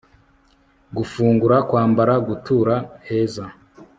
gufungura, kwambara gutura heza